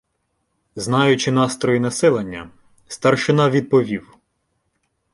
Знаючи настрої населення, старшина відповів: